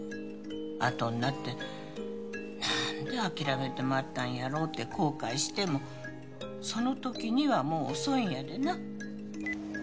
あとになって何で諦めてまったんやろうって後悔してもその時にはもう遅いんやでな